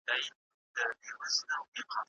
د ماشوم د اوبو بوتل پاک وساتئ.